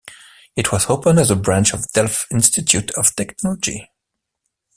It was opened as a branch of Delft Institute of Technology.